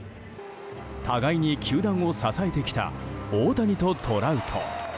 互いに球団を支えてきた大谷とトラウト。